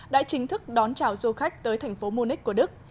đã chính thức đón chào du khách tới thành phố munich của đức